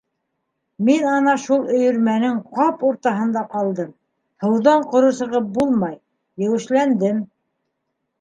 Мин ана шул өйөрмәнең ҡап уртаһында ҡалдым, һыуҙан ҡоро сығып булмай: еүешләндем.